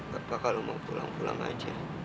gak apa apa kalau mau pulang pulang aja